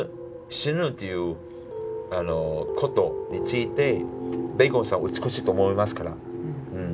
死ぬっていうことについてベーコンさんは美しいと思いますから。